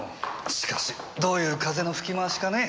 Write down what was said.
しかしどういう風の吹き回しかね？